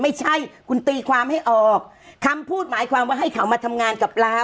ไม่ใช่คุณตีความให้ออกคำพูดหมายความว่าให้เขามาทำงานกับเรา